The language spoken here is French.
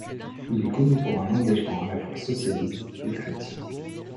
Il est connu pour un engagement à la fois socialiste et chrétien.